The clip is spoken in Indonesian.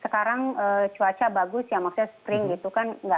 sekarang cuaca bagus ya maksudnya sering gitu kan nggak diwinter